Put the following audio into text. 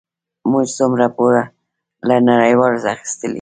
موږ څومره پور له نړیوالو اخیستی؟